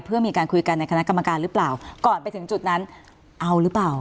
เพื่อมีการคุยกันในคณะกรรมการหรือเปล่าก่อนไปถึงจุดนั้นเอาหรือเปล่า